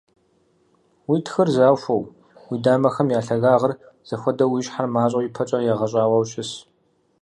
Уи тхыр захуэу, уи дамэхэм я лъагагъыр зэхуэдэу, уи щхьэр мащӀэу ипэкӀэ егъэщӀауэ щыс.